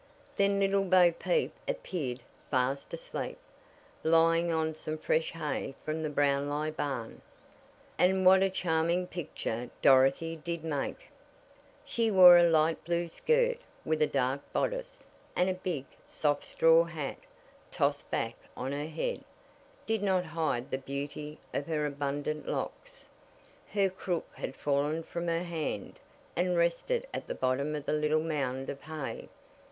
Then Little Bo Peep appeared fast asleep, lying on some fresh hay from the Brownlie barn. And what a charming picture Dorothy did make! She wore a light blue skirt, with a dark bodice, and a big, soft straw hat, tossed back on her head, did not hide the beauty of her abundant locks. Her crook had fallen from her hand, and rested at the bottom of the little mound of hay.